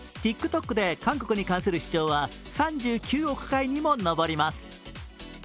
ＴｉｋＴｏｋで韓国に関する視聴は３９億回にも上ります。